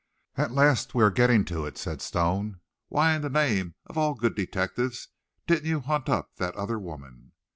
"At last we are getting to it," said Stone; "why in the name of all good detectives, didn't you hunt up that other woman?"